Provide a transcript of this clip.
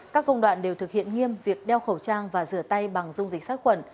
các công đoạn đều thực hiện nghiêm việc đeo khẩu trang và rửa tay bằng dung dịch sát khuẩn